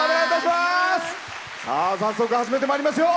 早速、始めてまいりましょう。